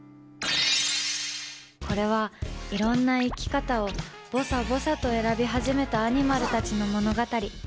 これは、いろんな生き方をぼさぼさと選び始めたアニマルたちの物語。